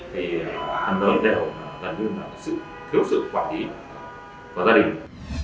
thì hẳn nơi đều gần như là sự thiếu sự quản lý và gia đình